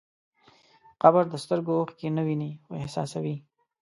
قبر د سترګو اوښکې نه ویني، خو احساسوي.